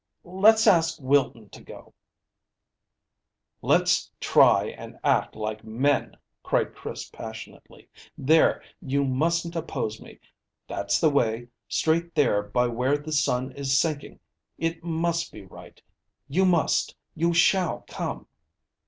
"Let's ask Wilton to go." "Let's try and act like men," cried Chris passionately. "There, you mustn't oppose me. That's the way, straight there by where the sun is sinking. It must be right. You must, you shall come."